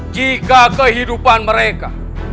jika kehidupan mereka